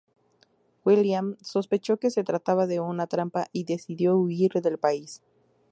William sospechó que se trataba de una trampa y decidió huir del país.